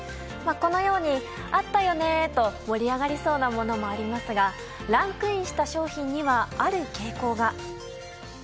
このようにあったよねと盛り上がるようなものもありますがランクインした商品にはある傾向が。